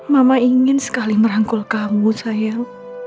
mama ingin sekali merangkul kamu sayang